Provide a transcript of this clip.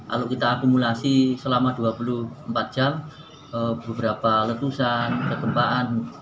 lalu kita akumulasi selama dua puluh empat jam beberapa letusan kegempaan